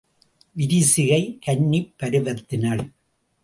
விரிசிகை கன்னிப் பருவத்தினள்.